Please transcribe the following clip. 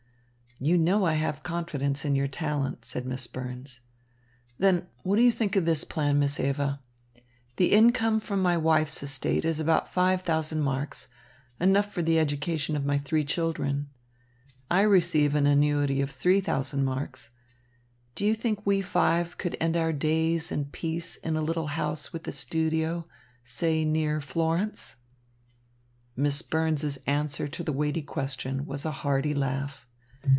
"You know I have confidence in your talent," said Miss Burns. "Then, what do you think of this plan, Miss Eva? The income from my wife's estate is about five thousand marks, enough for the education of my three children. I receive an annuity of three thousand marks. Do you think we five could end our days in peace in a little house with a studio, say, near Florence?" Miss Burns's answer to the weighty question was a hearty laugh.